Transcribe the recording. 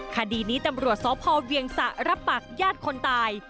คดีนี้ตำรวจสพเวียงสะรับปากญาติคนตาย